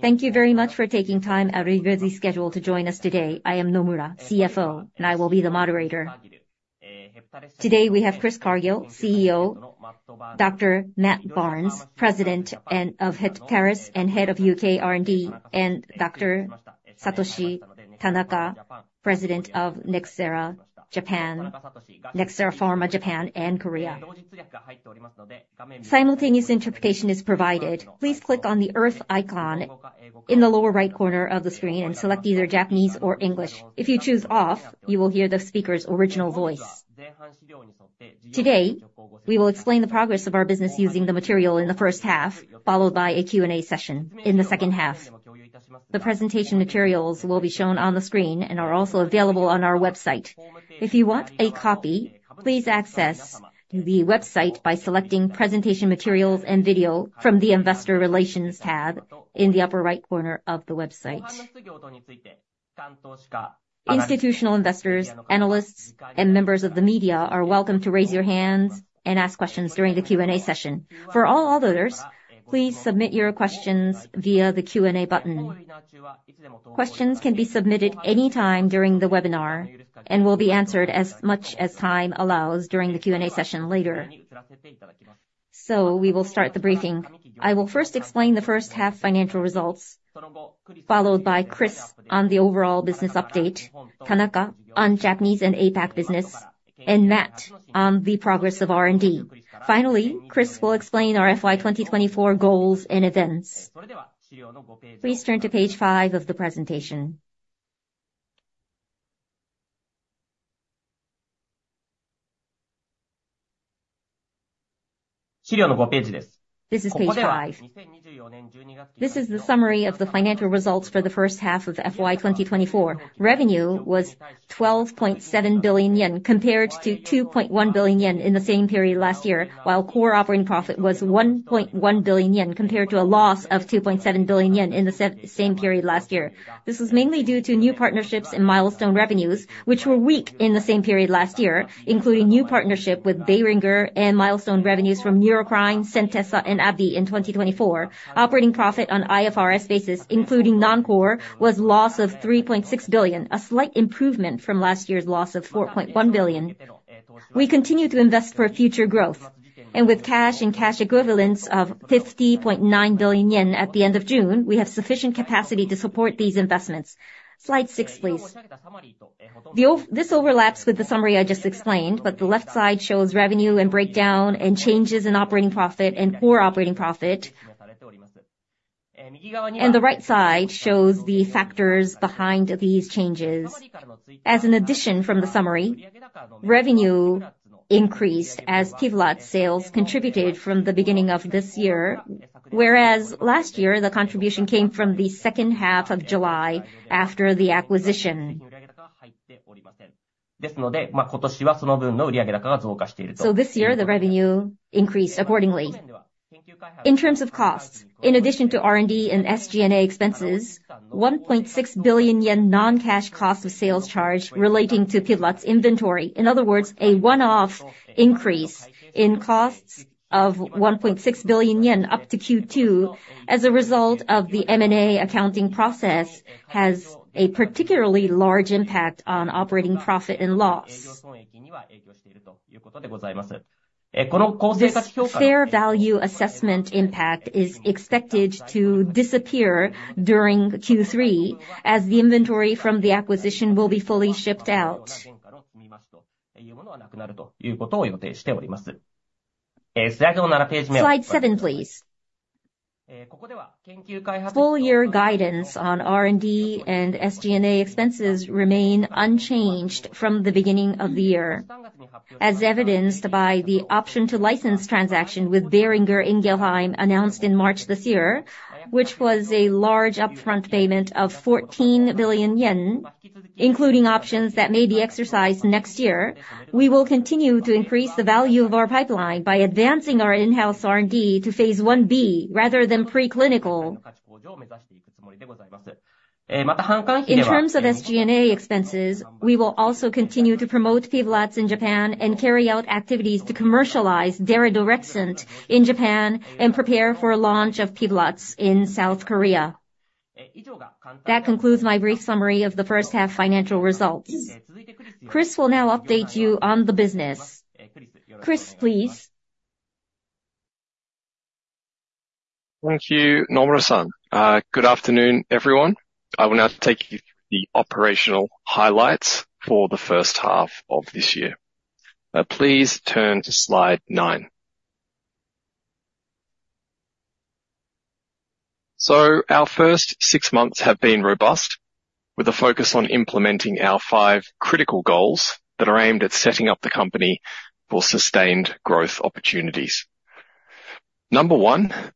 ...Thank you very much for taking time out of your busy schedule to join us today. I am Nomura, CFO, and I will be the moderator. Today, we have Chris Cargill, CEO, Dr. Matt Barnes, President of Nxera and Head of U.K. R&D, and Dr. Satoshi Tanaka, President of Nxera Pharma Japan and Korea. Simultaneous interpretation is provided. Please click on the Earth icon in the lower right corner of the screen and select either Japanese or English. If you choose off, you will hear the speaker's original voice. Today, we will explain the progress of our business using the material in the first half, followed by a Q&A session in the second half. The presentation materials will be shown on the screen and are also available on our website. If you want a copy, please access the website by selecting Presentation Materials and Video from the Investor Relations tab in the upper right corner of the website. Institutional investors, analysts, and members of the media are welcome to raise your hands and ask questions during the Q&A session. For all others, please submit your questions via the Q&A button. Questions can be submitted any time during the webinar and will be answered as much as time allows during the Q&A session later. We will start the briefing. I will first explain the first half financial results, followed by Chris on the overall business update, Tanaka on Japanese and APAC business, and Matt on the progress of R&D. Finally, Chris will explain our FY 2024 goals and events. Please turn to page five of the presentation. This is page five. This is the summary of the financial results for the first half of FY 2024. Revenue was 12.7 billion yen, compared to 2.1 billion yen in the same period last year, while core operating profit was 1.1 billion yen, compared to a loss of 2.7 billion yen in the same period last year. This is mainly due to new partnerships and milestone revenues, which were weak in the same period last year, including new partnership with Boehringer and milestone revenues from Neurocrine, Centessa and AbbVie in 2024. Operating profit on IFRS basis, including non-core, was loss of 3.6 billion, a slight improvement from last year's loss of 4.1 billion. We continue to invest for future growth, and with cash and cash equivalents of 50.9 billion yen at the end of June, we have sufficient capacity to support these investments. Slide six, please. This overlaps with the summary I just explained, but the left side shows revenue and breakdown and changes in operating profit and core operating profit. And the right side shows the factors behind these changes. As an addition from the summary, revenue increased as PIVLAZ sales contributed from the beginning of this year, whereas last year, the contribution came from the second half of July after the acquisition. So this year, the revenue increased accordingly. In terms of costs, in addition to R&D and SG&A expenses, 1.6 billion yen non-cash cost of sales charge relating to PIVLAZ inventory. In other words, a one-off increase in costs of 1.6 billion yen up to Q2, as a result of the M&A accounting process, has a particularly large impact on operating profit and loss. This fair value assessment impact is expected to disappear during Q3, as the inventory from the acquisition will be fully shipped out. Slide 7, please. Full year guidance on R&D and SG&A expenses remain unchanged from the beginning of the year, as evidenced by the option to license transaction with Boehringer Ingelheim, announced in March this year, which was a large upfront payment of 14 billion yen, including options that may be exercised next year. We will continue to increase the value of our pipeline by advancing our in-house R&D to Phase Ib, rather than preclinical. In terms of SG&A expenses, we will also continue to promote PIVLAZ in Japan and carry out activities to commercialize daridorexant in Japan, and prepare for a launch of PIVLAZ in South Korea. That concludes my brief summary of the first half financial results. Chris will now update you on the business. Chris, please. Thank you, Nomura-san. Good afternoon, everyone. I will now take you through the operational highlights for the first half of this year. Please turn to slide 9. Our first six months have been robust, with a focus on implementing our 5 critical goals that are aimed at setting up the company for sustained growth opportunities. Number 1,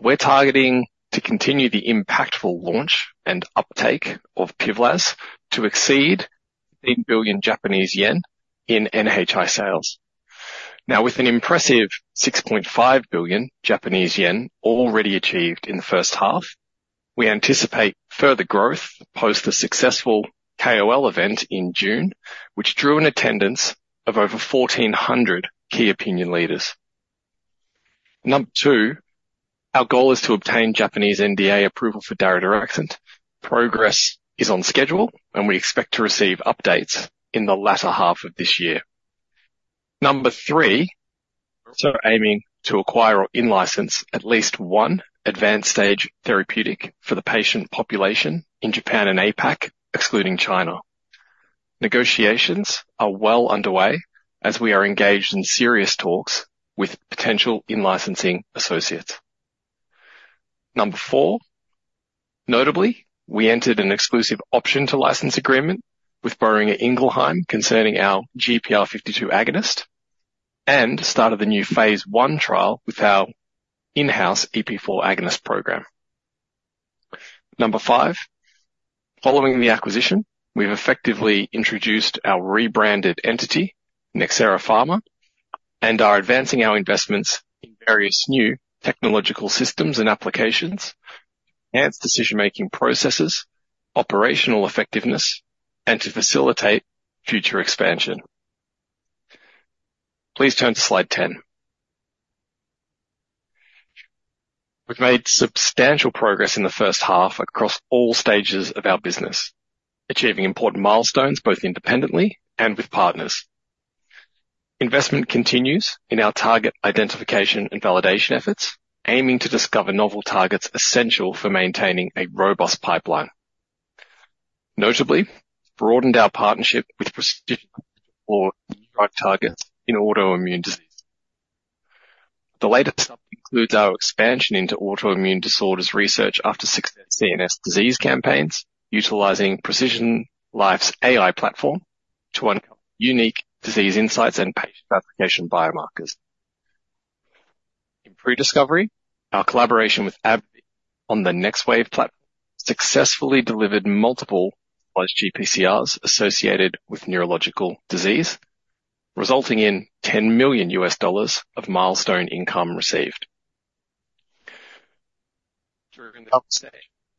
we're targeting to continue the impactful launch and uptake of PIVLAZ to exceed 8 billion Japanese yen in NHI sales. Now, with an impressive 6.5 billion Japanese yen already achieved in the first half, we anticipate further growth post the successful KOL event in June, which drew an attendance of over 1,400 key opinion leaders. Number 2, our goal is to obtain Japanese NDA approval for daridorexant. Progress is on schedule, and we expect to receive updates in the latter half of this year. Number three, we're also aiming to acquire or in-license at least one advanced stage therapeutic for the patient population in Japan and APAC, excluding China. Negotiations are well underway as we are engaged in serious talks with potential in-licensing associates. Number four, notably, we entered an exclusive option to license agreement with Boehringer Ingelheim concerning our GPR52 agonist and started the new Phase I trial with our in-house EP4 agonist program. Number five, following the acquisition, we've effectively introduced our rebranded entity, Nxera Pharma, and are advancing our investments in various new technological systems and applications, enhanced decision-making processes, operational effectiveness, and to facilitate future expansion. Please turn to slide 10. We've made substantial progress in the first half across all stages of our business, achieving important milestones, both independently and with partners. Investment continues in our target identification and validation efforts, aiming to discover novel targets essential for maintaining a robust pipeline. Notably, broadened our partnership with PrecisionLife for new drug targets in autoimmune disease. The latest includes our expansion into autoimmune disorders research after success CNS disease campaigns, utilizing PrecisionLife's AI platform to uncover unique disease insights and patient application biomarkers. In pre-discovery, our collaboration with AbbVie on the NexWave platform successfully delivered multiple GPCRs associated with neurological disease, resulting in $10 million of milestone income received.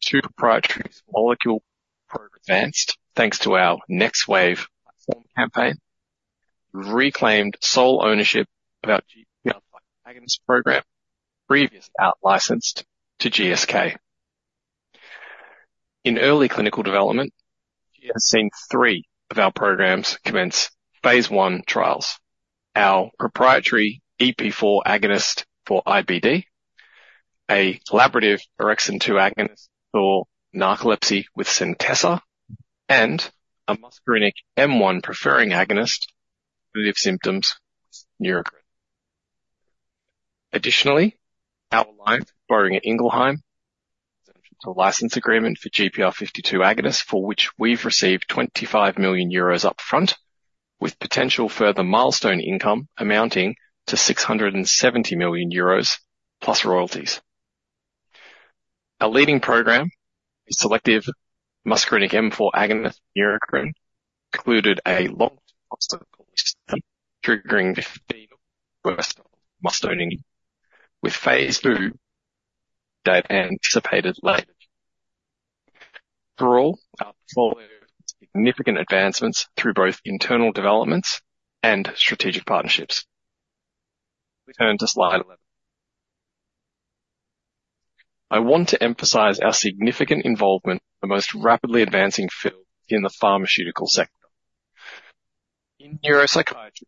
Two proprietary molecule program advanced, thanks to our NexWave platform campaign, reclaimed sole ownership of our GPR agonist program, previously out licensed to GSK. In early clinical development, we have seen three of our programs commence Phase I trials. Our proprietary EP4 agonist for IBD, a collaborative orexin 2 agonist for narcolepsy with Centessa, and a muscarinic M1-preferring agonist with Neurocrine. Additionally, our collaboration with Boehringer Ingelheim option-to-license agreement for GPR52 agonist, for which we've received 25 million euros up front, with potential further milestone income amounting to 670 million euros plus royalties. Our leading program is selective muscarinic M4 agonist Neurocrine, including a long-term triggering the first milestone with Phase II data anticipated later. Overall, our portfolio significant advancements through both internal developments and strategic partnerships. Please turn to slide 11. I want to emphasize our significant involvement in the most rapidly advancing field in the pharmaceutical sector. In neuropsychiatry,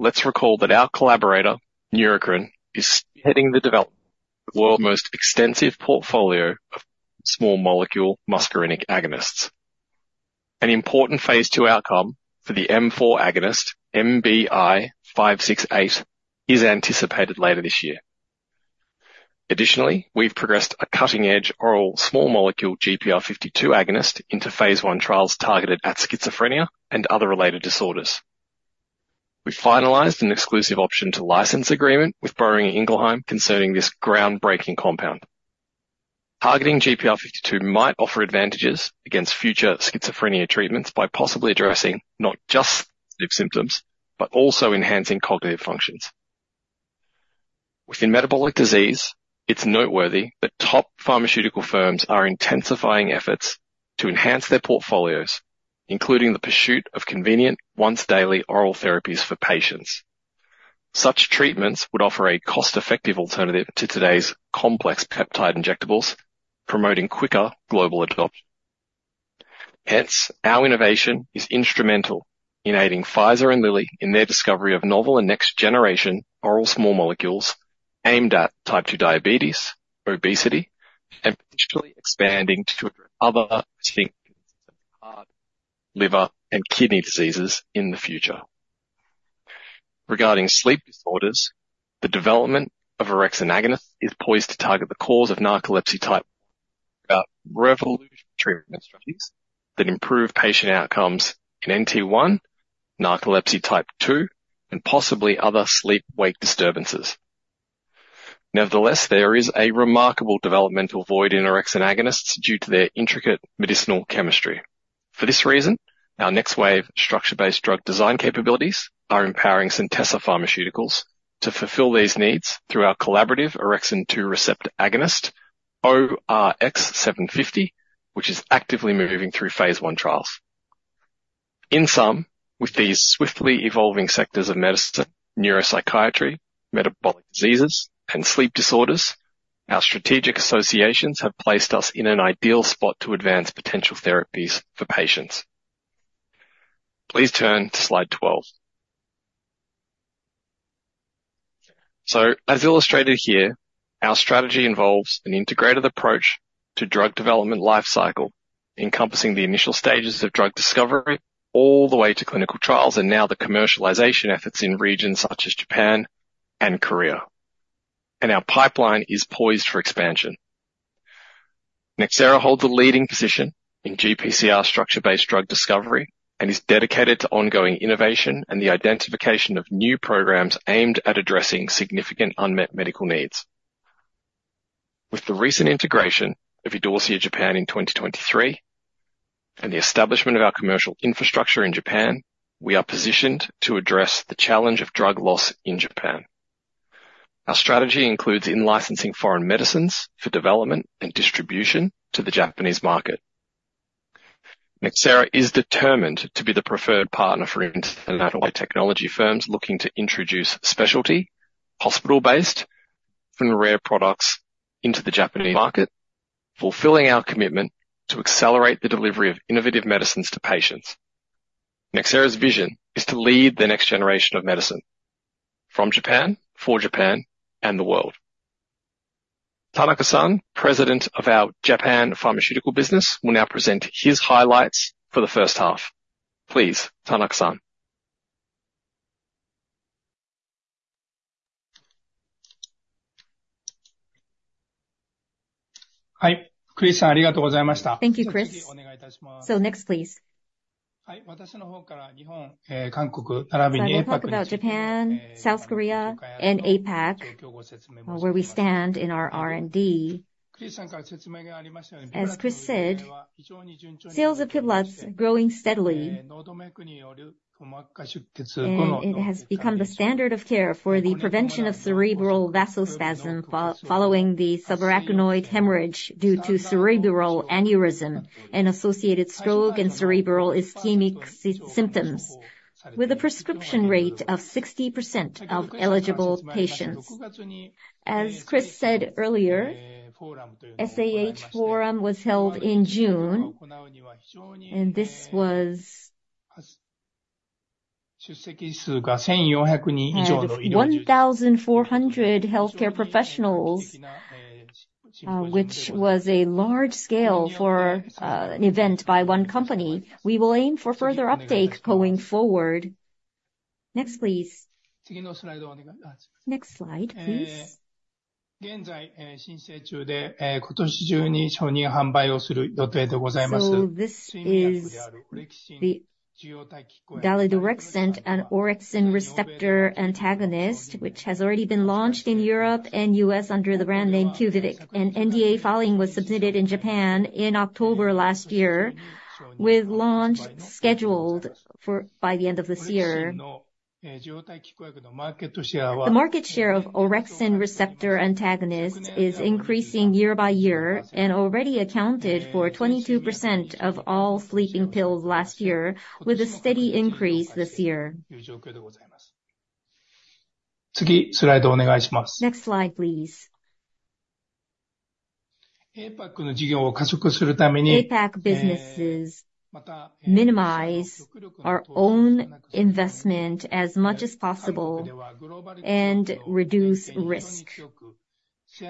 let's recall that our collaborator, Neurocrine, is heading the development of the world's most extensive portfolio of small molecule muscarinic agonists. An important Phase II outcome for the M4 agonist, NBI-111568, is anticipated later this year. Additionally, we've progressed a cutting-edge oral small molecule GPR52 agonist into Phase I trials targeted at schizophrenia and other related disorders. We finalized an exclusive option to license agreement with Boehringer Ingelheim concerning this groundbreaking compound. Targeting GPR52 might offer advantages against future schizophrenia treatments by possibly addressing not just symptoms, but also enhancing cognitive functions. Within metabolic disease, it's noteworthy that top pharmaceutical firms are intensifying efforts to enhance their portfolios, including the pursuit of convenient once daily oral therapies for patients. Such treatments would offer a cost-effective alternative to today's complex peptide injectables, promoting quicker global adoption. Hence, our innovation is instrumental in aiding Pfizer and Lilly in their discovery of novel and next generation oral small molecules aimed at type 2 diabetes, obesity, and potentially expanding to other distinct heart, liver, and kidney diseases in the future. Regarding sleep disorders, the development of orexin agonist is poised to target the cause of narcolepsy type 1, revolutionary treatment strategies that improve patient outcomes in NT1, narcolepsy type 2, and possibly other sleep-wake disturbances. Nevertheless, there is a remarkable developmental void in orexin agonists due to their intricate medicinal chemistry. For this reason, our NexWave structure-based drug design capabilities are empowering Centessa Pharmaceuticals to fulfill these needs through our collaborative orexin 2 receptor agonist, ORX750, which is actively moving through Phase I trials. In sum, with these swiftly evolving sectors of medicine, neuropsychiatry, metabolic diseases, and sleep disorders, our strategic associations have placed us in an ideal spot to advance potential therapies for patients. Please turn to slide 12. As illustrated here, our strategy involves an integrated approach to drug development life cycle, encompassing the initial stages of drug discovery all the way to clinical trials, and now the commercialization efforts in regions such as Japan and Korea. Our pipeline is poised for expansion. Nxera holds a leading position in GPCR structure-based drug discovery and is dedicated to ongoing innovation and the identification of new programs aimed at addressing significant unmet medical needs. With the recent integration of Idorsia Japan in 2023, and the establishment of our commercial infrastructure in Japan, we are positioned to address the challenge of drug loss in Japan. Our strategy includes in-licensing foreign medicines for development and distribution to the Japanese market. Nxera is determined to be the preferred partner for international technology firms looking to introduce specialty, hospital-based, and rare products into the Japanese market, fulfilling our commitment to accelerate the delivery of innovative medicines to patients. Nxera's vision is to lead the next generation of medicine from Japan, for Japan, and the world. Tanaka-san, president of our Japan pharmaceutical business, will now present his highlights for the first half. Please, Tanaka-san. Thank you, Chris. So next, please. So I will talk about Japan, South Korea, and APAC, where we stand in our R&D. As Chris said, sales of PIVLAZ are growing steadily, and it has become the standard of care for the prevention of cerebral vasospasm following the subarachnoid hemorrhage due to cerebral aneurysm and associated stroke and cerebral ischemic symptoms, with a prescription rate of 60% of eligible patients. As Chris said earlier, SAH forum was held in June, and this was and 1,400 healthcare professionals, which was a large scale for an event by one company. We will aim for further update going forward. Next, please. Next slide, please. So this is the daridorexant, an orexin receptor antagonist, which has already been launched in Europe and US under the brand name Quviviq. An NDA filing was submitted in Japan in October last year, with launch scheduled for by the end of this year. The market share of orexin receptor antagonist is increasing year by year and already accounted for 22% of all sleeping pills last year, with a steady increase this year. Next slide, please. APAC businesses minimize our own investment as much as possible and reduce risk.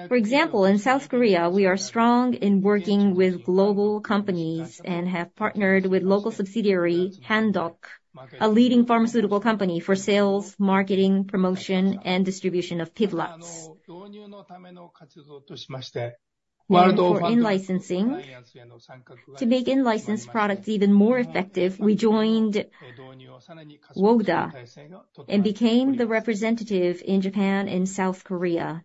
For example, in South Korea, we are strong in working with global companies and have partnered with local subsidiary, Handok, a leading pharmaceutical company for sales, marketing, promotion, and distribution of PIVLAZ. For in-licensing, to make in-licensed products even more effective, we joined WODA and became the representative in Japan and South Korea.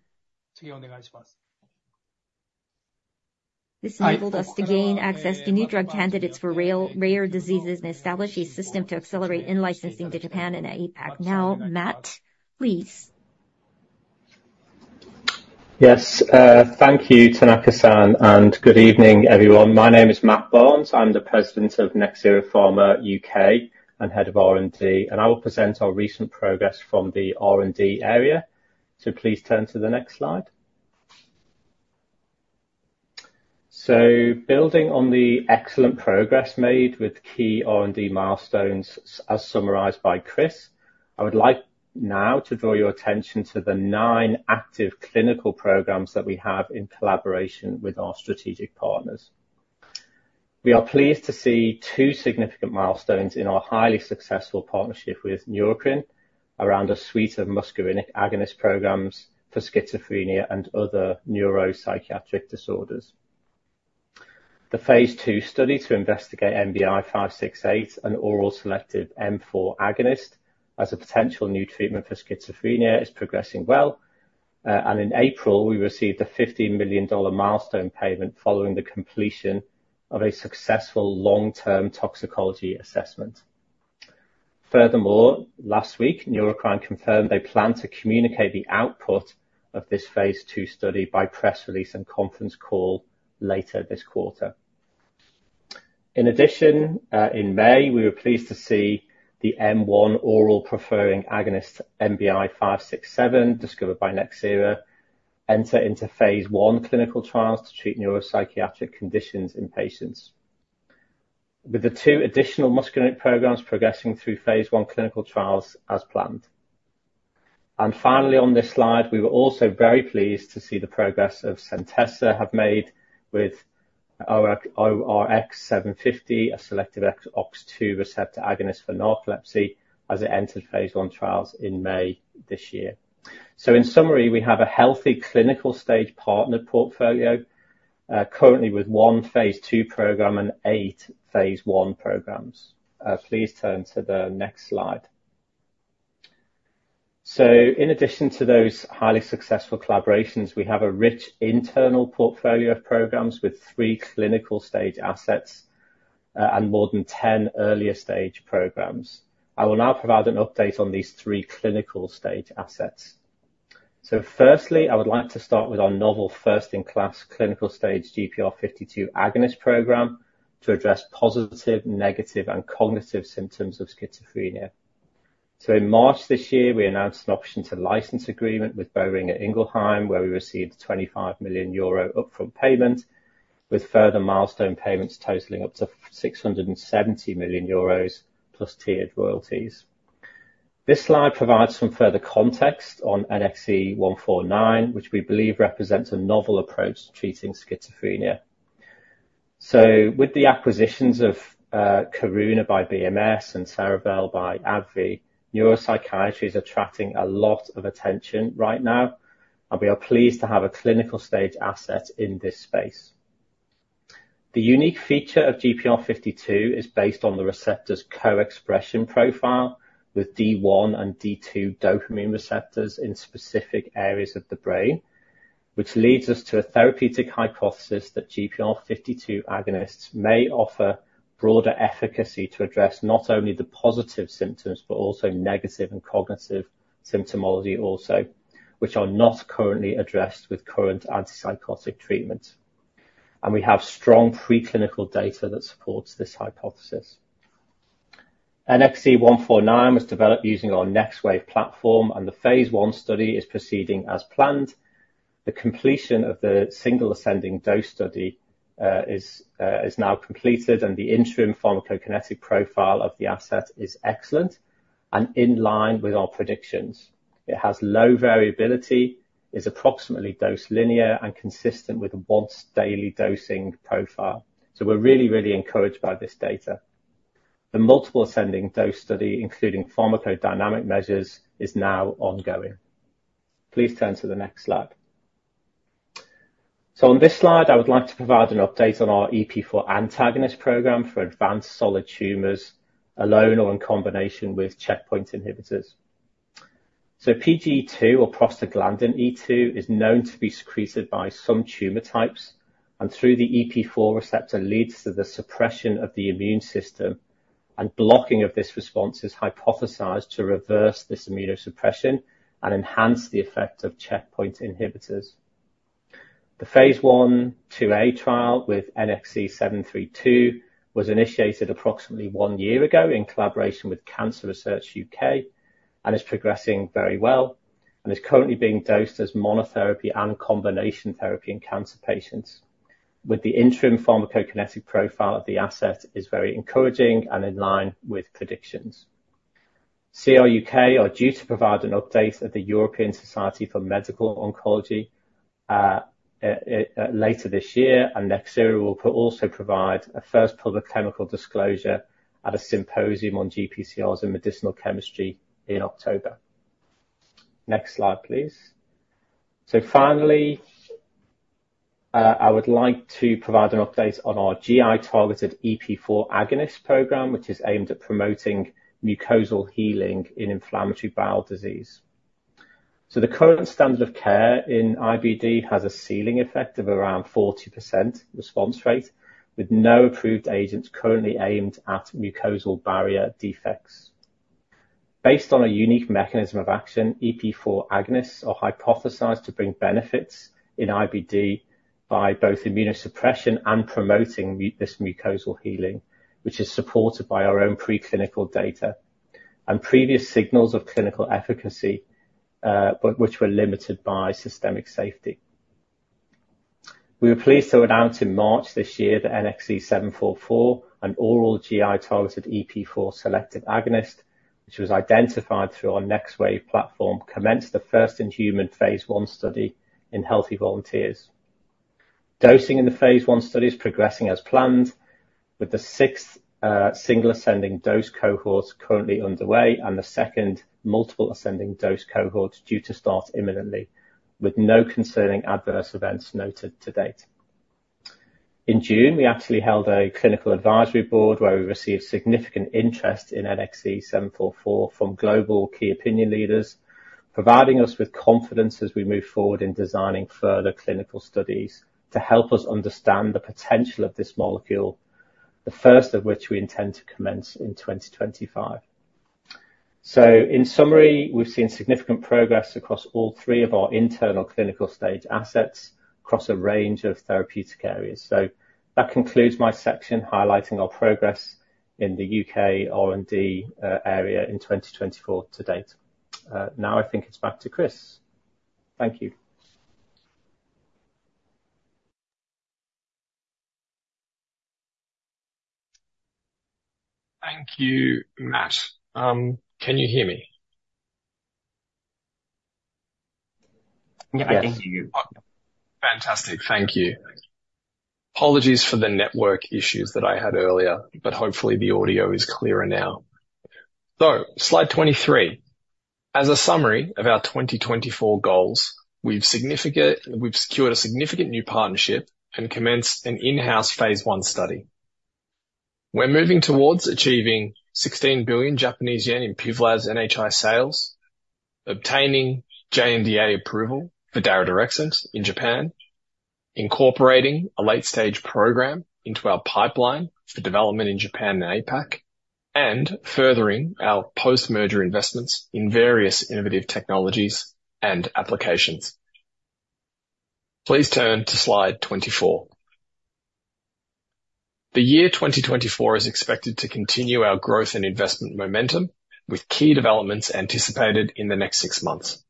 This enabled us to gain access to new drug candidates for rare diseases and establish a system to accelerate in-licensing to Japan and APAC. Now, Matt, please. Yes, thank you, Tanaka-san, and good evening, everyone. My name is Matt Barnes. I'm the president of Nxera Pharma UK and head of R&D, and I will present our recent progress from the R&D area. So please turn to the next slide. So building on the excellent progress made with key R&D milestones, as summarized by Chris, I would like now to draw your attention to the nine active clinical programs that we have in collaboration with our strategic partners. We are pleased to see two significant milestones in our highly successful partnership with Neurocrine around a suite of muscarinic agonist programs for schizophrenia and other neuropsychiatric disorders. The Phase II study to investigate NBI-111568, an oral selective M4 agonist as a potential new treatment for schizophrenia, is progressing well. In April, we received a $50 million milestone payment following the completion of a successful long-term toxicology assessment. Furthermore, last week, Neurocrine confirmed they plan to communicate the output of this Phase II study by press release and conference call later this quarter. In addition, in May, we were pleased to see the M1 oral preferring agonist, NBI-111567, discovered by Nxera, enter into Phase I clinical trials to treat neuropsychiatric conditions in patients, with the two additional muscarinic programs progressing through Phase I clinical trials as planned. And finally, on this slide, we were also very pleased to see the progress of Centessa have made with ORX750, a selective OX2 receptor agonist for narcolepsy, as it entered Phase I trials in May this year. So in summary, we have a healthy clinical stage partnered portfolio, currently with one Phase II program and eight Phase I programs. Please turn to the next slide. So in addition to those highly successful collaborations, we have a rich internal portfolio of programs with three clinical stage assets, and more than ten earlier stage programs. I will now provide an update on these three clinical stage assets. So firstly, I would like to start with our novel first-in-class clinical stage GPR52 agonist program to address positive, negative, and cognitive symptoms of schizophrenia. So in March this year, we announced an option-to-license agreement with Boehringer Ingelheim, where we received a 25 million euro upfront payment, with further milestone payments totaling up to 670 million euros plus tiered royalties. This slide provides some further context on NXC149, which we believe represents a novel approach to treating schizophrenia. With the acquisitions of Karuna by BMS and Cerevel by AbbVie, neuropsychiatry is attracting a lot of attention right now, and we are pleased to have a clinical stage asset in this space. The unique feature of GPR52 is based on the receptor's co-expression profile, with D1 and D2 dopamine receptors in specific areas of the brain, which leads us to a therapeutic hypothesis that GPR52 agonists may offer broader efficacy to address not only the positive symptoms, but also negative and cognitive symptomology also, which are not currently addressed with current antipsychotic treatments. We have strong preclinical data that supports this hypothesis. NXC149 was developed using our NxWave platform, and the Phase I study is proceeding as planned. The completion of the single ascending dose study is now completed, and the interim pharmacokinetic profile of the asset is excellent and in line with our predictions. It has low variability, is approximately dose linear, and consistent with a once daily dosing profile. So we're really, really encouraged by this data. The multiple ascending dose study, including pharmacodynamic measures, is now ongoing. Please turn to the next slide. So on this slide, I would like to provide an update on our EP4 antagonist program for advanced solid tumors, alone or in combination with checkpoint inhibitors. So PGE2, or prostaglandin E2, is known to be secreted by some tumor types, and through the EP4 receptor, leads to the suppression of the immune system, and blocking of this response is hypothesized to reverse this immunosuppression and enhance the effect of checkpoint inhibitors. The Phase I/IIa trial with NXC732 was initiated approximately 1 year ago in collaboration with Cancer Research UK, and is progressing very well, and is currently being dosed as monotherapy and combination therapy in cancer patients, with the interim pharmacokinetic profile of the asset is very encouraging and in line with predictions. CRUK are due to provide an update at the European Society for Medical Oncology, later this year, and Nxera will also provide a first public chemical disclosure at a symposium on GPCRs in medicinal chemistry in October. Next slide, please. Finally, I would like to provide an update on our GI-targeted EP4 agonist program, which is aimed at promoting mucosal healing in inflammatory bowel disease. So the current standard of care in IBD has a ceiling effect of around 40% response rate, with no approved agents currently aimed at mucosal barrier defects. Based on a unique mechanism of action, EP4 agonists are hypothesized to bring benefits in IBD by both immunosuppression and promoting mucosal healing, which is supported by our own preclinical data, and previous signals of clinical efficacy, but which were limited by systemic safety. We were pleased to announce in March this year, the NXC744, an oral GI-targeted EP4 selective agonist, which was identified through our NxWave platform, commenced the first-in-human Phase I study in healthy volunteers. Dosing in the Phase I study is progressing as planned, with the sixth single ascending dose cohorts currently underway, and the second multiple ascending dose cohorts due to start imminently, with no concerning adverse events noted to date. In June, we actually held a clinical advisory board, where we received significant interest in NXC744 from global key opinion leaders, providing us with confidence as we move forward in designing further clinical studies to help us understand the potential of this molecule, the first of which we intend to commence in 2025. So in summary, we've seen significant progress across all three of our internal clinical stage assets, across a range of therapeutic areas. So that concludes my section, highlighting our progress in the UK R&D area in 2024 to date. Now I think it's back to Chris. Thank you. Thank you, Matt. Can you hear me? Yeah, I can hear you. Fantastic. Thank you. Apologies for the network issues that I had earlier, but hopefully the audio is clearer now. So slide 23. As a summary of our 2024 goals, we've secured a significant new partnership and commenced an in-house Phase I study. We're moving towards achieving 16 billion Japanese yen in PIVLAZ's NHI sales, obtaining NDA approval for daridorexant in Japan, incorporating a late-stage program into our pipeline for development in Japan and APAC, and furthering our post-merger investments in various innovative technologies and applications. Please turn to slide 24. The year 2024 is expected to continue our growth and investment momentum, with key developments anticipated in the next six months.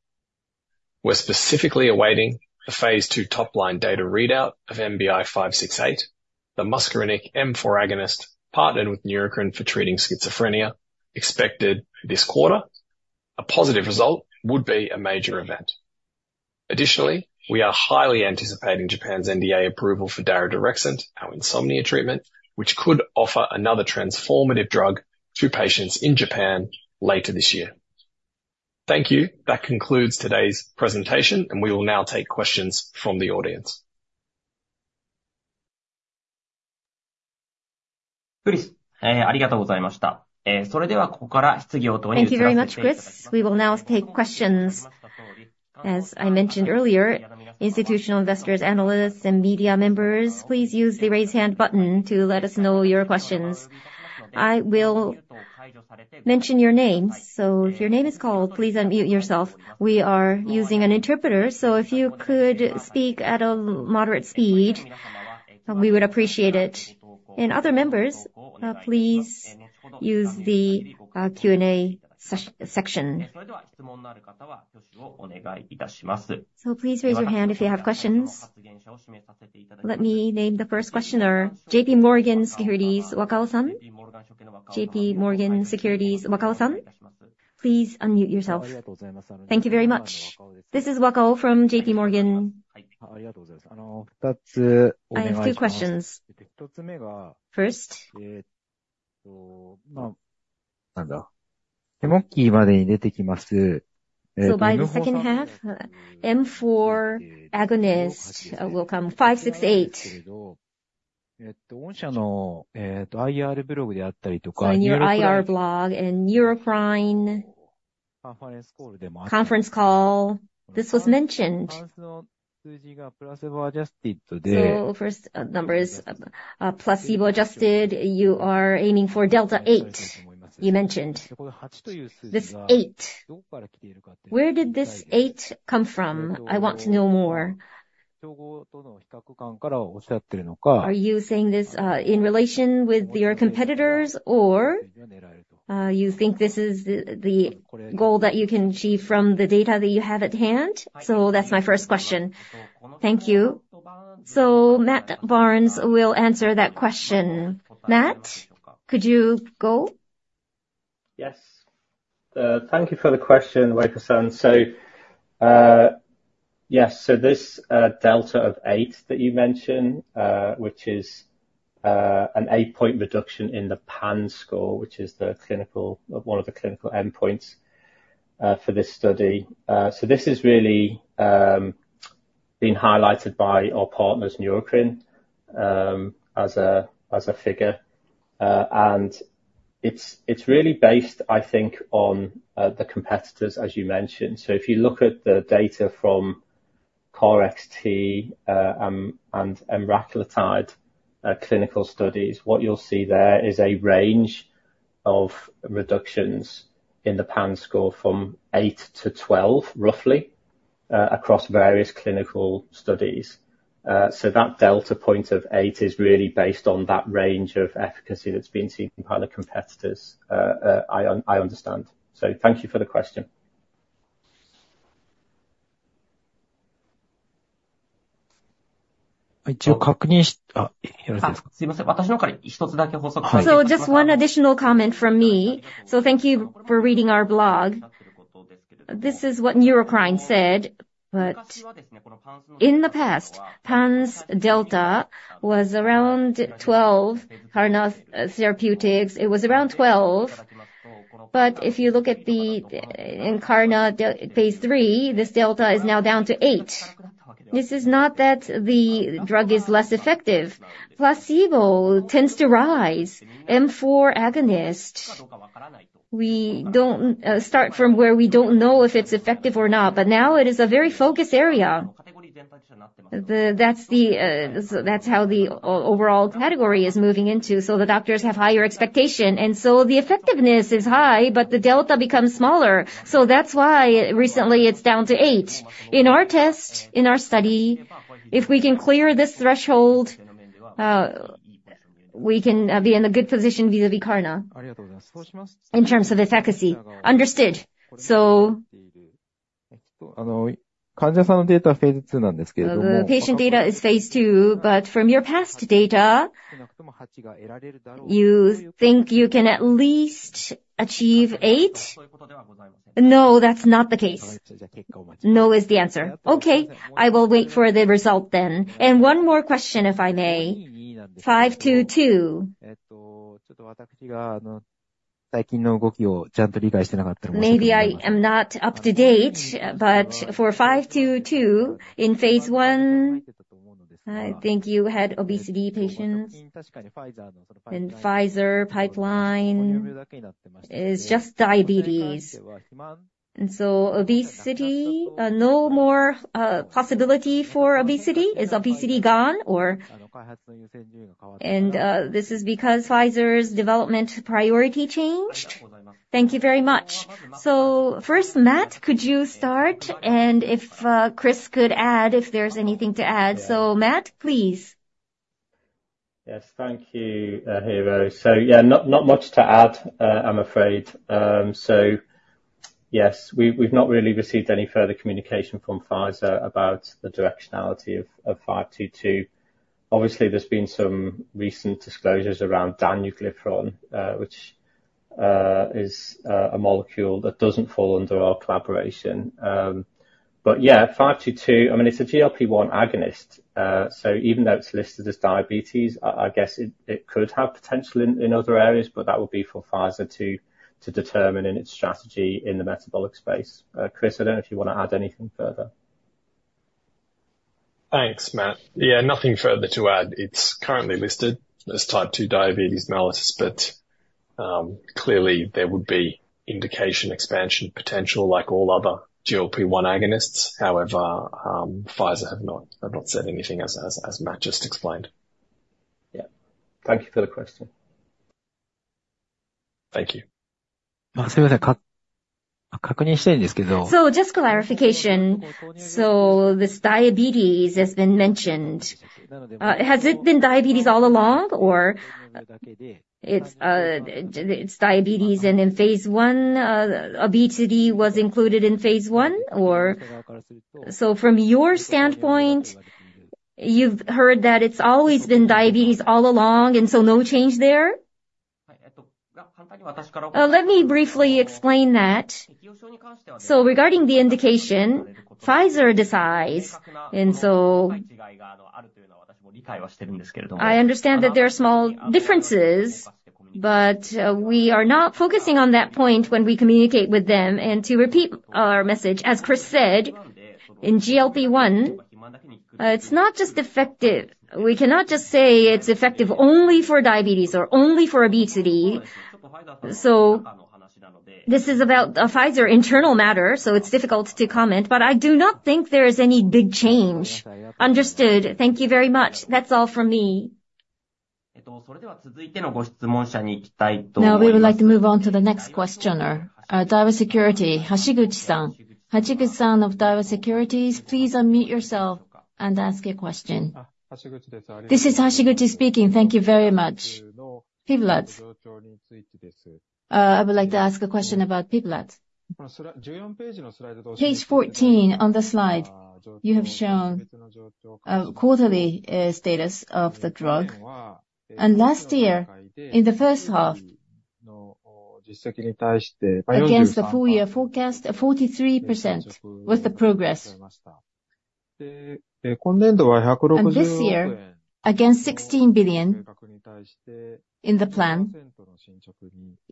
We're specifically awaiting the Phase II top-line data readout of NBI-111568, the muscarinic M4 agonist, partnered with Neurocrine for treating schizophrenia, expected this quarter. A positive result would be a major event. Additionally, we are highly anticipating Japan's NDA approval for daridorexant, our insomnia treatment, which could offer another transformative drug to patients in Japan later this year. Thank you. That concludes today's presentation, and we will now take questions from the audience. Thank you very much, Chris. We will now take questions. As I mentioned earlier, institutional investors, analysts, and media members, please use the Raise Hand button to let us know your questions. I will mention your name, so if your name is called, please unmute yourself. We are using an interpreter, so if you could speak at a moderate speed, we would appreciate it. Other members, please use the Q&A section. So please raise your hand if you have questions. Let me name the first questioner. JP Morgan Securities, Wakao-san. JP Morgan Securities, Wakao-san, please unmute yourself. Thank you very much. This is Wakao from JP Morgan. I have two questions. First, so by the second half, M4 agonist, will come NBI-111568. On your IR blog and Neurocrine conference call, this was mentioned. So first, number is, placebo-adjusted. You are aiming for delta eight, you mentioned. This eight, where did this eight come from? I want to know more. Are you saying this, in relation with your competitors, or, you think this is the goal that you can achieve from the data that you have at hand? So that's my first question. Thank you. So Matt Barnes will answer that question. Matt, could you go? Yes. Thank you for the question, Wakao-san. So, yes, so this delta of 8 that you mentioned, which is an eight-point reduction in the PANSS score, which is one of the clinical endpoints for this study. So this is really been highlighted by our partners, Neurocrine, as a figure. And it's really based, I think, on the competitors, as you mentioned. So if you look at the data from KarXT and emraclidine clinical studies, what you'll see there is a range of reductions in the PANSS score from eight-12, roughly, across various clinical studies. So that delta point of eight is really based on that range of efficacy that's been seen from other competitors. I understand. So thank you for the question. So just one additional comment from me. So thank you for reading our blog. This is what Neurocrine said, but in the past, PANSS delta was around 12, Karuna Therapeutics, it was around 12. But if you look at the in Karuna Phase III, this delta is now down to eight. This is not that the drug is less effective. Placebo tends to rise. M4 agonist, we don't start from where we don't know if it's effective or not, but now it is a very focused area. So that's how the overall category is moving into, so the doctors have higher expectation. And so the effectiveness is high, but the delta becomes smaller. So that's why recently it's down to eight. In our test, in our study, if we can clear this threshold, we can be in a good position vis-à-vis Karuna in terms of efficacy. Understood. So, the patient data is Phase II, but from your past data, you think you can at least achieve eight? No, that's not the case. No is the answer. Okay, I will wait for the result then. And one more question, if I may. PF-522. Maybe I am not up to date, but for PF-522, in Phase I, I think you had obesity patients. And Pfizer pipeline is just diabetes. And so obesity, no more possibility for obesity? Is obesity gone, or... And, this is because Pfizer's development priority changed? Thank you very much. So first, Matt, could you start? And if, Chris could add, if there's anything to add. So Matt, please. Yes, thank you, Hiro. So yeah, not much to add, I'm afraid. So yes, we've not really received any further communication from Pfizer about the directionality of PF-522. Obviously, there's been some recent disclosures around danuglipron, which is a molecule that doesn't fall under our collaboration. But yeah, PF-522, I mean, it's a GLP-1 agonist. So even though it's listed as diabetes, I guess it could have potential in other areas, but that would be for Pfizer to determine in its strategy in the metabolic space. Chris, I don't know if you want to add anything further. Thanks, Matt. Yeah, nothing further to add. It's currently listed as type two diabetes indication, but clearly there would be indication expansion potential like all other GLP-1 agonists. However, Pfizer have not, have not said anything as, as, as Matt just explained. Yeah, thank you for the question. Thank you. So, just for clarification, so this diabetes has been mentioned. Has it been diabetes all along, or it's, it's diabetes and in Phase I, obesity was included in Phase I, or? So from your standpoint, you've heard that it's always been diabetes all along, and so no change there? Let me briefly explain that. So regarding the indication, Pfizer decides, and so I understand that there are small differences, but we are not focusing on that point when we communicate with them. And to repeat our message, as Chris said, in GLP-1, it's not just effective. We cannot just say it's effective only for diabetes or only for obesity. So this is about a Pfizer internal matter, so it's difficult to comment, but I do not think there is any big change. Understood. Thank you very much. That's all from me. Now, we would like to move on to the next questioner, Daiwa Securities, Hashiguchi-san. Hashiguchi-san of Daiwa Securities, please unmute yourself and ask your question. This is Hashiguchi speaking. Thank you very much. PIVLAZ. I would like to ask a question about PIVLAZ. Page fourteen on the slide, you have shown, quarterly, status of the drug. And last year, in the first half, against the full year forecast, 43% was the progress. And this year, against 16 billion in the plan,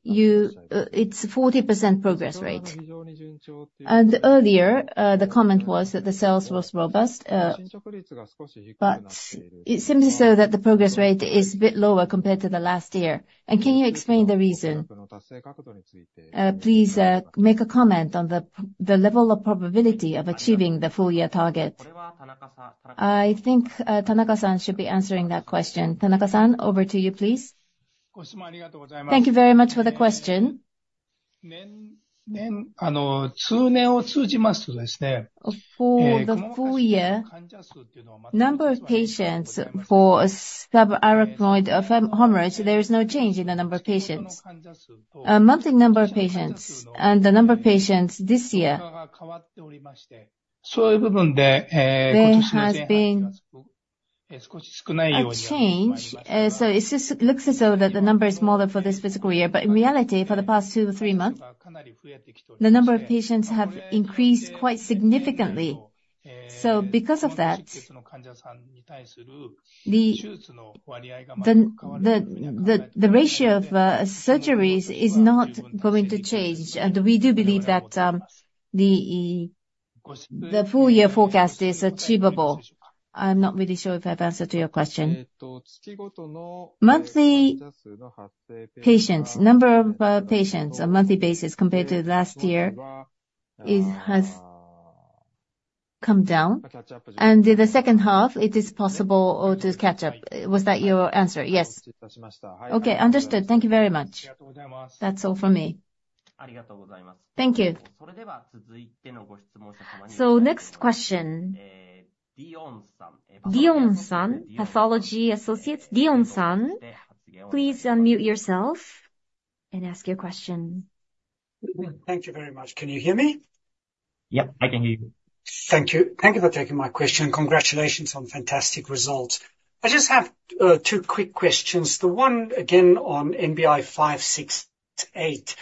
you, it's 40% progress rate. And earlier, the comment was that the sales was robust. But it seems as though that the progress rate is a bit lower compared to the last year. And can you explain the reason? Please, make a comment on the level of probability of achieving the full-year target. I think, Tanaka-san should be answering that question. Tanaka-san, over to you, please. Thank you very much for the question. For the full year, number of patients for subarachnoid hemorrhage, there is no change in the number of patients. Monthly number of patients and the number of patients this year, there has been a change. So it just looks as though that the number is smaller for this fiscal year, but in reality, for the past two or three months, the number of patients have increased quite significantly. So because of that, the ratio of surgeries is not going to change, and we do believe that the full-year forecast is achievable. ... I'm not really sure if I've answered to your question. Monthly patients, number of, patients on monthly basis compared to last year is, has come down, and in the second half, it is possible to catch up. Was that your answer? Yes. Okay, understood. Thank you very much. That's all for me. Thank you. So next question. Dionysios Pantazis, Jefferies. Dionysios Pantazis, please unmute yourself and ask your question. Thank you very much. Can you hear me? Yep, I can hear you. Thank you. Thank you for taking my question. Congratulations on fantastic results. I just have two quick questions. The one again on NBI-111568,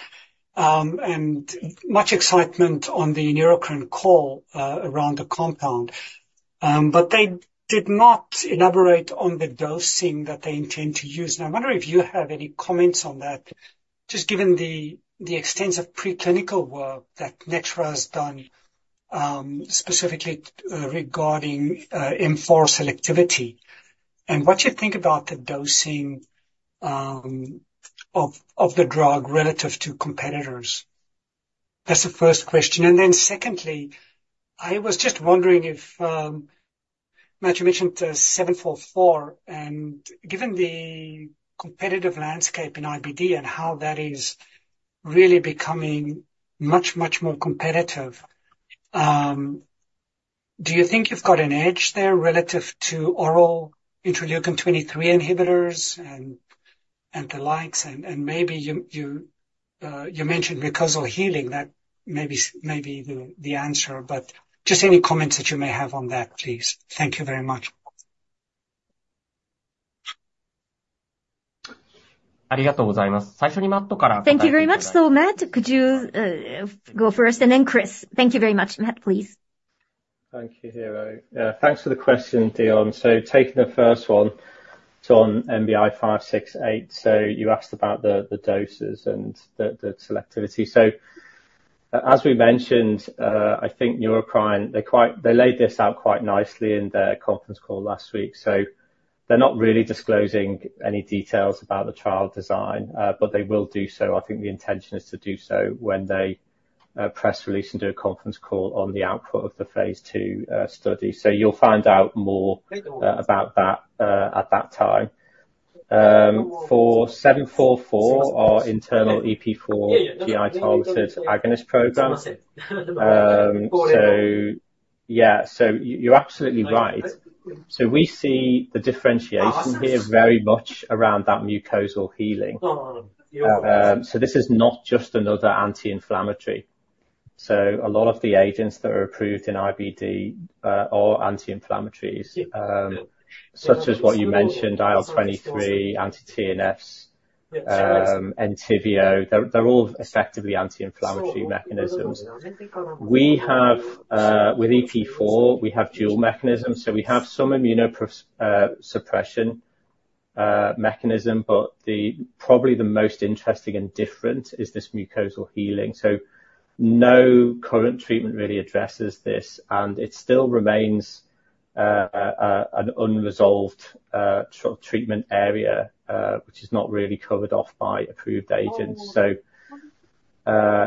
and much excitement on the Neurocrine call, around the compound. But they did not elaborate on the dosing that they intend to use. And I wonder if you have any comments on that, just given the extensive preclinical work that Nxera has done, specifically, regarding, M4 selectivity. And what you think about the dosing, of the drug relative to competitors? That's the first question. And then secondly, I was just wondering if, Matt, you mentioned 744, and given the competitive landscape in IBD and how that is really becoming much, much more competitive, do you think you've got an edge there relative to oral interleukin 23 inhibitors and the likes? And maybe you mentioned mucosal healing, that may be the answer. But just any comments that you may have on that, please. Thank you very much. Thank you very much. So, Matt, could you go first and then Chris? Thank you very much. Matt, please. Thank you, Hiro. Thanks for the question, Dion. So taking the first one, so on NBI-111568. So you asked about the doses and the selectivity. So as we mentioned, I think Neurocrine, they laid this out quite nicely in their conference call last week. So they're not really disclosing any details about the trial design, but they will do so. I think the intention is to do so when they press release and do a conference call on the output of the Phase II study. So you'll find out more about that at that time. For NXC744, our internal EP4 GI-targeted agonist program. So yeah, so you're absolutely right. So we see the differentiation here very much around that mucosal healing. So this is not just another anti-inflammatory. So a lot of the agents that are approved in IBD are anti-inflammatories, such as what you mentioned, IL-23, anti-TNFs, Entyvio. They're all effectively anti-inflammatory mechanisms. We have, with EP4, we have dual mechanisms. So we have some immunosuppression mechanism, but probably the most interesting and different is this mucosal healing. So no current treatment really addresses this, and it still remains an unresolved sort of treatment area, which is not really covered off by approved agents. So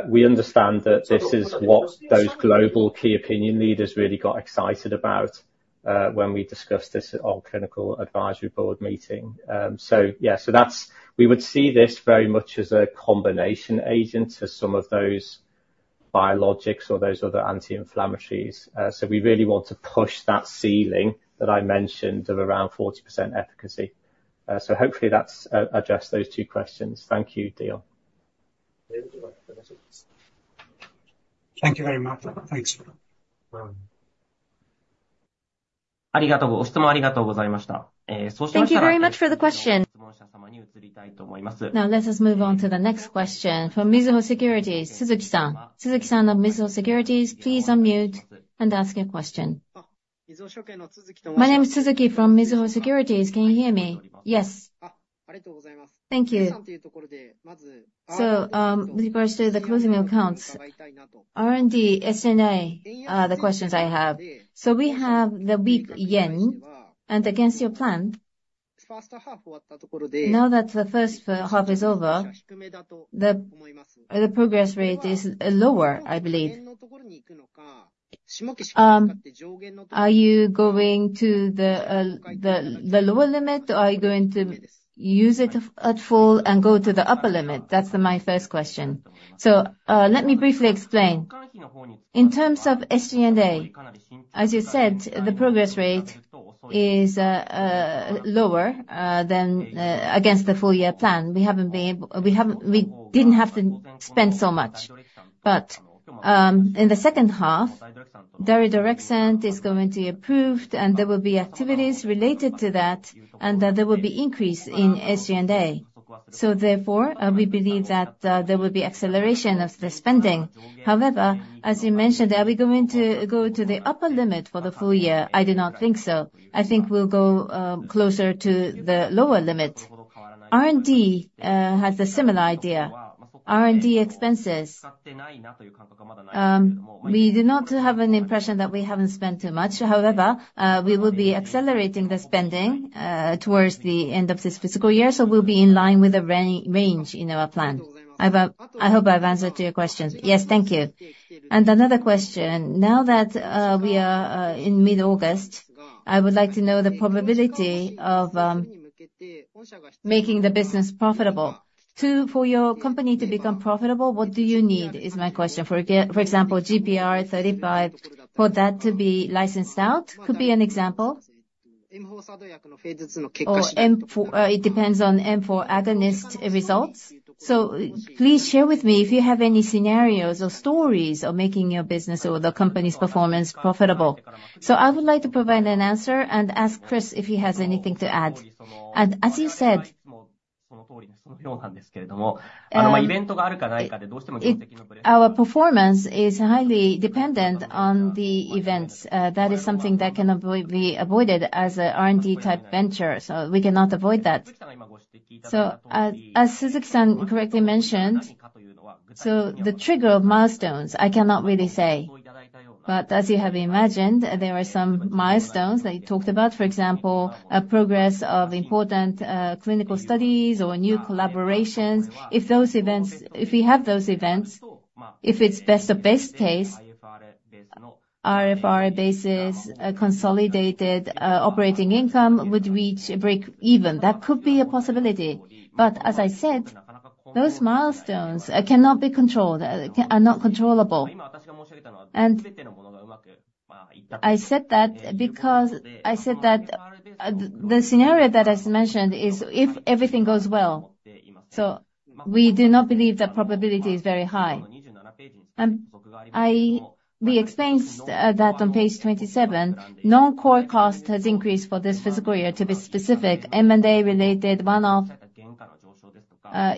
we understand that this is what those global key opinion leaders really got excited about when we discussed this at our clinical advisory board meeting. So yeah, we would see this very much as a combination agent to some of those biologics or those other anti-inflammatories. So we really want to push that ceiling that I mentioned of around 40% efficacy. So hopefully that's addressed those two questions. Thank you, Dion. Thank you very much. Thanks. Thank you very much for the question. Now, let us move on to the next question from Mizuho Securities, Suzuki-san. Suzuki-san of Mizuho Securities, please unmute and ask your question. My name is Suzuki from Mizuho Securities. Can you hear me? Yes. Thank you. So, with regards to the closing accounts, R&D, SG&A are the questions I have. So we have the weak yen and against your plan. Now that the first half is over, the progress rate is lower, I believe. Are you going to the lower limit, or are you going to use it at full and go to the upper limit? That's my first question. So, let me briefly explain. In terms of SG&A, as you said, the progress rate is lower than against the full year plan. We didn't have to spend so much. But, in the second half, the redirection is going to be approved, and there will be activities related to that, and that there will be increase in SG&A. So therefore, we believe that there will be acceleration of the spending. However, as you mentioned, are we going to go to the upper limit for the full year? I do not think so. I think we'll go closer to the lower limit. R&D has a similar idea. R&D expenses, we do not have an impression that we haven't spent too much. However, we will be accelerating the spending towards the end of this fiscal year, so we'll be in line with the range in our plan. I hope I've answered your questions. Yes, thank you. And another question, now that we are in mid-August, I would like to know the probability of making the business profitable. For your company to become profitable, what do you need, is my question. For example, GPR 35, for that to be licensed out, could be an example. Or M4, it depends on M4 agonist results. So please share with me if you have any scenarios or stories of making your business or the company's performance profitable. So I would like to provide an answer and ask Chris if he has anything to add. And as you said, our performance is highly dependent on the events. That is something that cannot be avoided as a R&D-type venture, so we cannot avoid that. So as Suzuki-san correctly mentioned, the trigger of milestones, I cannot really say. But as you have imagined, there are some milestones that he talked about, for example, a progress of important clinical studies or new collaborations. If we have those events, if it's the best case, IFRS basis, consolidated operating income would reach break even. That could be a possibility. But as I said, those milestones cannot be controlled, are not controllable. And I said that because I said that, the scenario that I just mentioned is, if everything goes well. So we do not believe the probability is very high. We explained that on page 27, non-core cost has increased for this fiscal year. To be specific, M&A-related one-off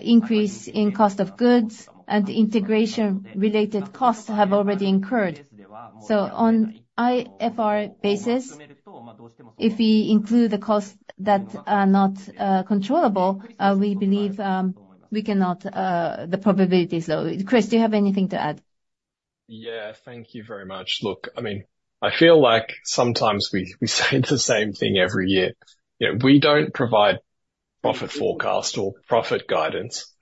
increase in cost of goods and integration-related costs have already incurred. So on IFRS basis, if we include the costs that are not controllable, we believe we cannot, the probability is low. Chris, do you have anything to add? Yeah, thank you very much. Look, I mean, I feel like sometimes we say the same thing every year. You know, we don't provide profit forecast or profit guidance,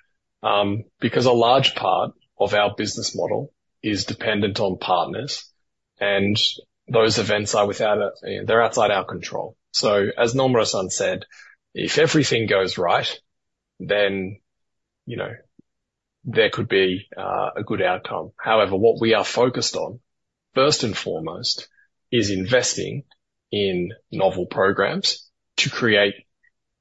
because a large part of our business model is dependent on partners, and those events are, they're outside our control. So as Nomura-san said, if everything goes right, then, you know, there could be a good outcome. However, what we are focused on, first and foremost, is investing in novel programs to create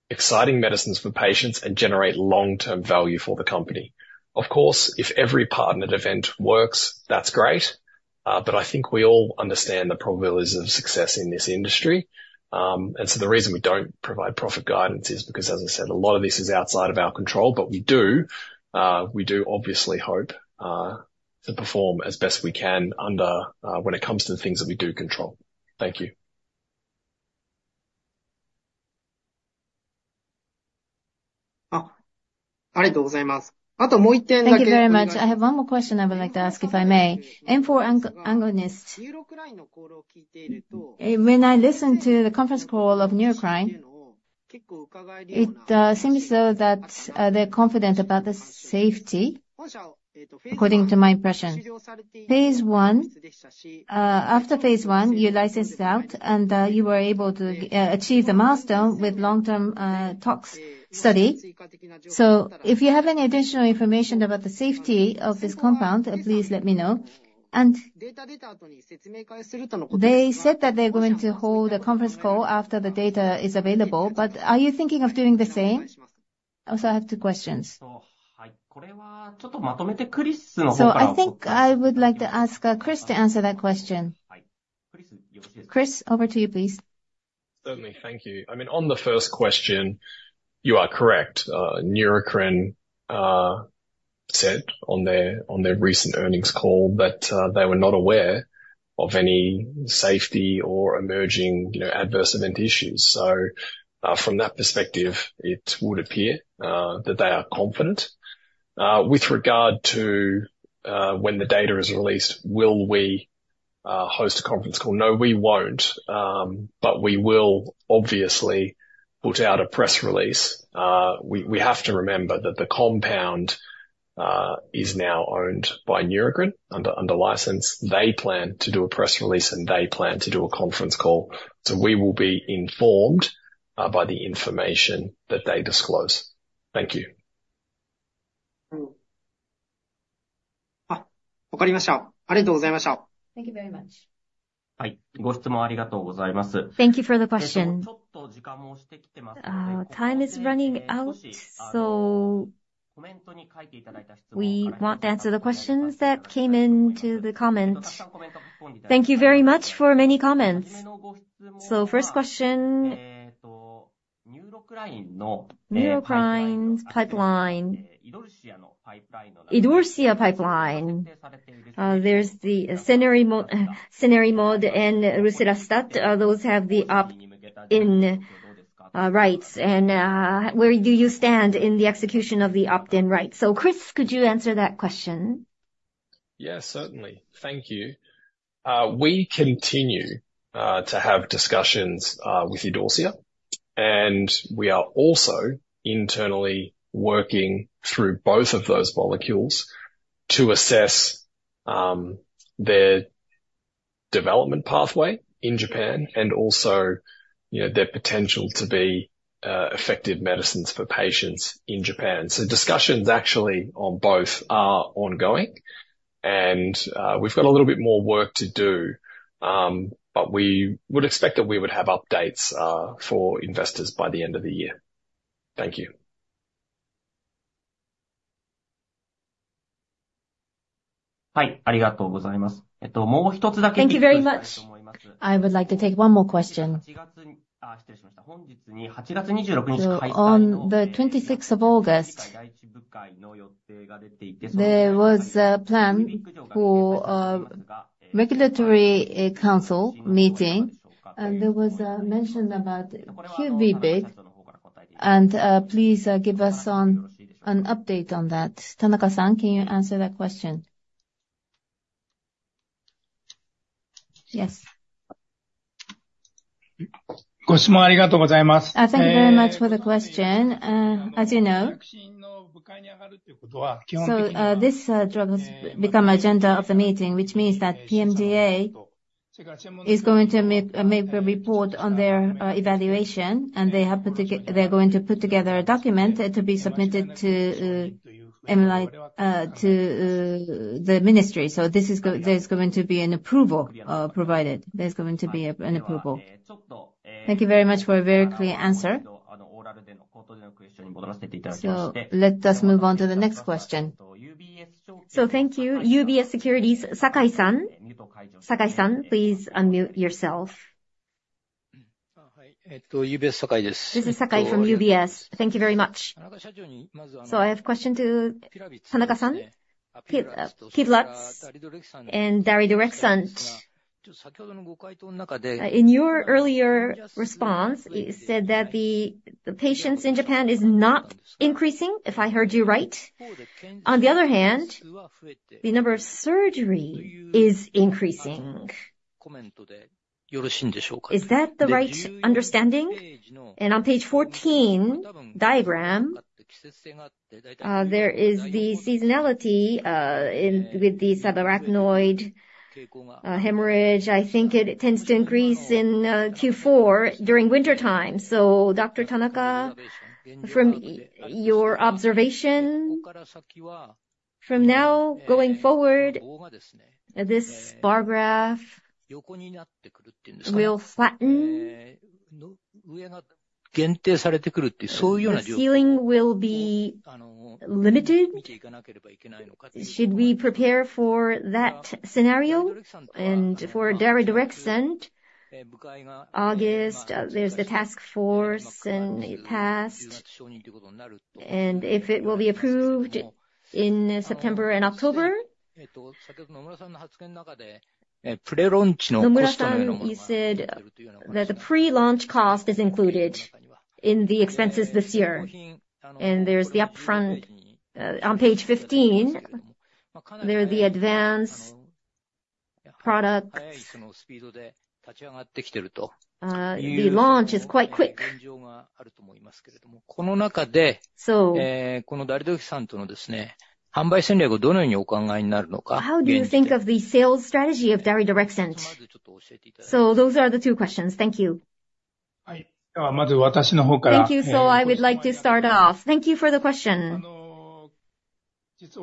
exciting medicines for patients and generate long-term value for the company. Of course, if every partnered event works, that's great, but I think we all understand the probabilities of success in this industry. And so the reason we don't provide profit guidance is because, as I said, a lot of this is outside of our control. But we obviously hope to perform as best we can under when it comes to the things that we do control. Thank you. Thank you very much. I have one more question I would like to ask, if I may. M4 agonist. When I listened to the conference call of Neurocrine, it seems that they're confident about the safety, according to my impression. Phase I, after Phase I, you licensed out, and you were able to achieve the milestone with long-term tox study. So if you have any additional information about the safety of this compound, please let me know. And they said that they're going to hold a conference call after the data is available, but are you thinking of doing the same? Also, I have two questions. So I think I would like to ask Chris to answer that question. Chris, over to you, please. Certainly. Thank you. I mean, on the first question, you are correct. Neurocrine said on their recent earnings call that they were not aware of any safety or emerging, you know, adverse event issues. So, from that perspective, it would appear that they are confident. With regard to when the data is released, will we host a conference call? No, we won't. But we will obviously put out a press release. We have to remember that the compound is now owned by Neurocrine under license. They plan to do a press release, and they plan to do a conference call. So we will be informed by the information that they disclose. Thank you. Thank you very much. Thank you for the question. Time is running out, so we want to answer the questions that came into the comment. Thank you very much for many comments. So first question, Neurocrine's pipeline, Idorsia's pipeline. There's the Cenerimod – Cenerimod and Lucerastat. Those have the up in- rights, and where do you stand in the execution of the opt-in rights? So, Chris, could you answer that question? Yes, certainly. Thank you. We continue to have discussions with Idorsia, and we are also internally working through both of those molecules to assess their development pathway in Japan, and also, you know, their potential to be effective medicines for patients in Japan. So discussions actually on both are ongoing, and we've got a little bit more work to do. But we would expect that we would have updates for investors by the end of the year. Thank you. Thank you very much. I would like to take one more question. So on the twenty-sixth of August, there was a plan for a regulatory council meeting, and there was a mention about huge debate. And please give us an update on that. Tanaka-san, can you answer that question? Yes. Thank you very much for the question. As you know, this drug has become agenda of the meeting, which means that PMDA is going to make a report on their evaluation, and they're going to put together a document to be submitted to MHLW, to the ministry. So there's going to be an approval provided. There's going to be an approval. Thank you very much for a very clear answer. Let us move on to the next question. Thank you. UBS Securities, Sakai-san. Sakai-san, please unmute yourself. This is Sakai from UBS. Thank you very much. So I have a question to Tanaka-san, PIVLAZ and Daridorexant. In your earlier response, you said that the, the patients in Japan is not increasing, if I heard you right. On the other hand, the number of surgery is increasing. Is that the right understanding? And on page 14, diagram, there is the seasonality, in, with the subarachnoid, hemorrhage. I think it tends to increase in, Q4 during wintertime. So Dr. Tanaka, from your observation, from now going forward, this bar graph will flatten? The ceiling will be limited. Should we prepare for that scenario? And for Daridorexant, August, there's the task force, and it passed. And if it will be approved in September and October. Nomura-san, you said that the pre-launch cost is included in the expenses this year. And there's the upfront. On page 15, there are the advanced product. The launch is quite quick. So how do you think of the sales strategy of Daridorexant? So those are the two questions. Thank you. Thank you. So I would like to start off. Thank you for the question. It's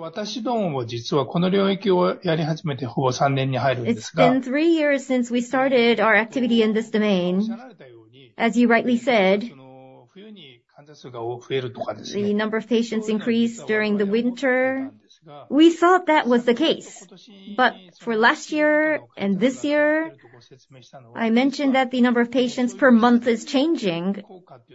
been three years since we started our activity in this domain. As you rightly said, the number of patients increased during the winter. We thought that was the case. But for last year and this year, I mentioned that the number of patients per month is changing, because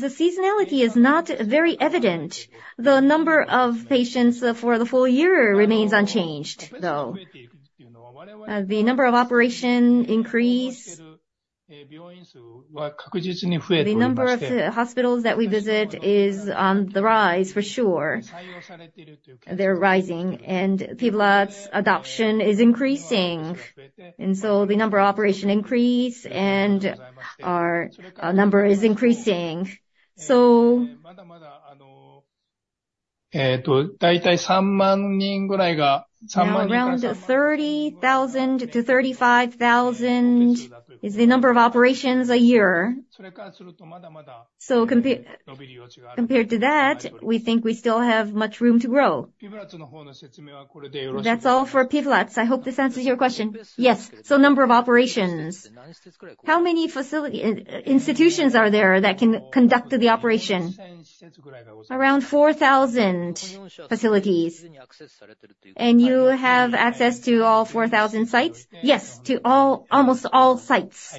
the seasonality is not very evident. The number of patients for the full year remains unchanged, though. The number of operations increase, the number of hospitals that we visit is on the rise, for sure. They're rising, and PIVLAZ adoption is increasing. And so the number of operations increase, and our number is increasing. So... Now, around 30,000-35,000 is the number of operations a year. So compared to that, we think we still have much room to grow. That's all for PIVLAZ. I hope this answers your question. Yes. So number of operations, how many facility, institutions are there that can conduct the operation? Around 4,000 facilities. You have access to all 4,000 sites? Yes, to all, almost all sites.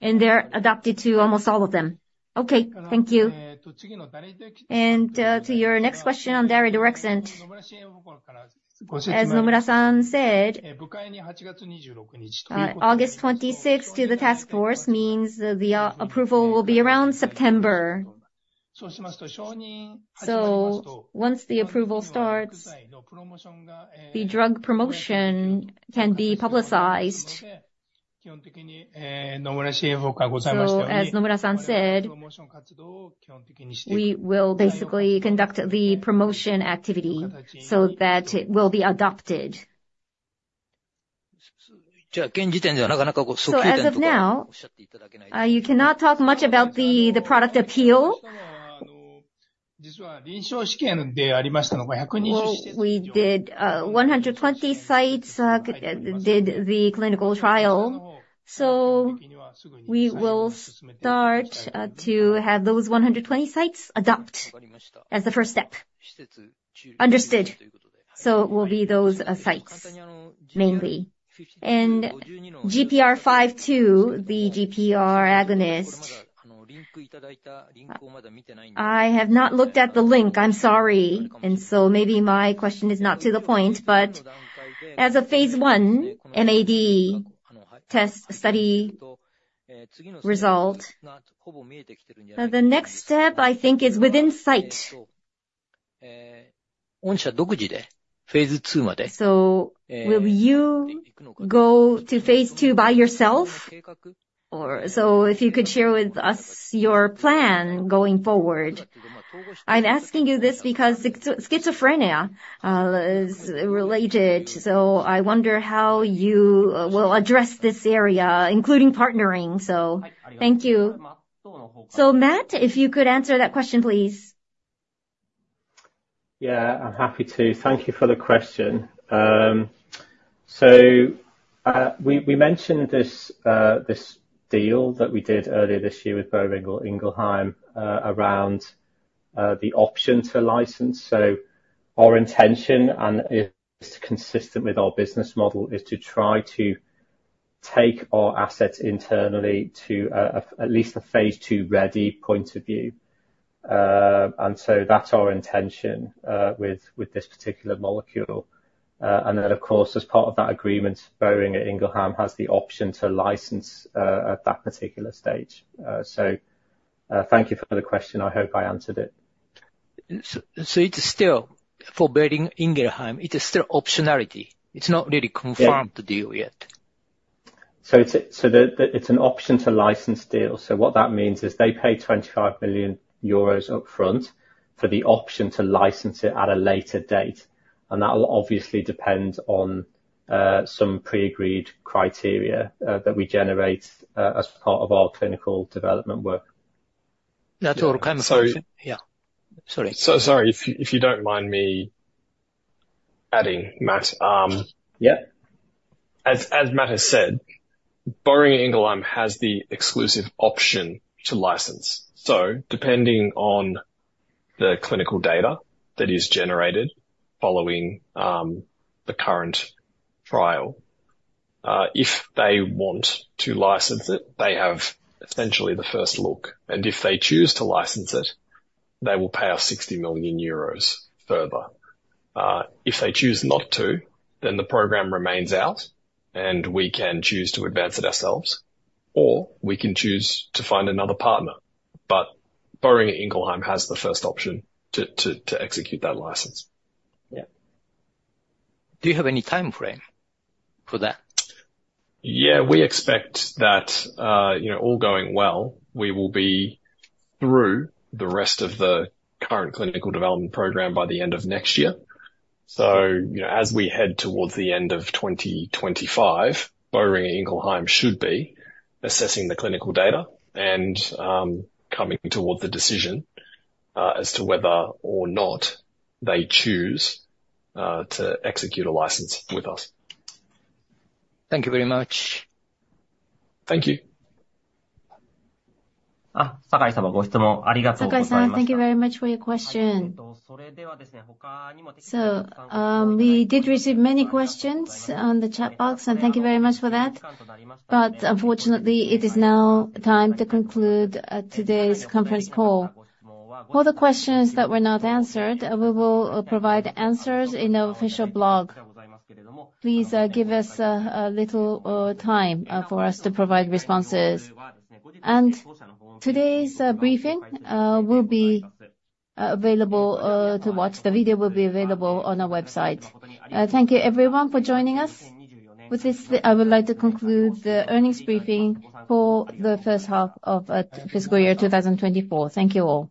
They're adapted to almost all of them. Okay, thank you. To your next question on Daridorexant— As Nomura-san said, August twenty-sixth to the task force means the approval will be around September. So once the approval starts, the drug promotion can be publicized. So as Nomura-san said, we will basically conduct the promotion activity so that it will be adopted. So as of now, you cannot talk much about the product appeal? Well, we did 120 sites, did the clinical trial, so we will start to have those 120 sites adopt as the first step. Understood. So it will be those, sites, mainly. And GPR52, the GPR agonist. I have not looked at the link. I'm sorry. Maybe my question is not to the point, but as a Phase I NAD test study result, the next step, I think, is within sight. So will you go to Phase II by yourself? Or so if you could share with us your plan going forward. I'm asking you this because schizophrenia is related, so I wonder how you will address this area, including partnering. So thank you. So, Matt, if you could answer that question, please. Yeah, I'm happy to. Thank you for the question. So, we mentioned this deal that we did earlier this year with Boehringer Ingelheim, around the option to license. So our intention, and it's consistent with our business model, is to try to take our assets internally to at least a Phase II-ready point of view. And so that's our intention with this particular molecule. And then, of course, as part of that agreement, Boehringer Ingelheim has the option to license at that particular stage. So, thank you for the question. I hope I answered it. So it's still for Boehringer Ingelheim, it is still optionality? It's not really confirmed- Yeah -the deal yet. It's an option to license deal. So what that means is they pay 25 million euros upfront for the option to license it at a later date, and that will obviously depend on some pre-agreed criteria that we generate as part of our clinical development work. That's all kind of option- So- Yeah. Sorry. Sorry, if you, if you don't mind me adding, Matt, Yeah. As Matt has said, Boehringer Ingelheim has the exclusive option to license. So depending on the clinical data that is generated following the current trial, if they want to license it, they have essentially the first look, and if they choose to license it, they will pay us 60 million euros further. If they choose not to, then the program remains out, and we can choose to advance it ourselves, or we can choose to find another partner. But Boehringer Ingelheim has the first option to execute that license. Yeah. Do you have any timeframe for that? Yeah, we expect that, you know, all going well, we will be through the rest of the current clinical development program by the end of next year. So, you know, as we head towards the end of 2025, Boehringer Ingelheim should be assessing the clinical data and, coming toward the decision, as to whether or not they choose, to execute a license with us. Thank you very much. Thank you. Ah, Sakai-sama, thank you very much for your question. So, we did receive many questions on the chat box, and thank you very much for that. But unfortunately, it is now time to conclude today's conference call. For the questions that were not answered, we will provide answers in our official blog. Please give us a little time for us to provide responses. And today's briefing will be available to watch. The video will be available on our website. Thank you everyone for joining us. With this, I would like to conclude the earnings briefing for the first half of fiscal year 2024. Thank you all.